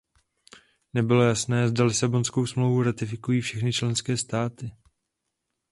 Nebylo jasné, zda Lisabonskou smlouvu ratifikují všechny členské státy.